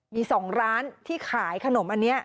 มี๒ร้านที่ขายขนมอันนี้